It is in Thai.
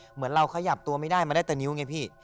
เหมือนเราขยับตัวไม่ได้มาได้แต่นิ้วไงพี่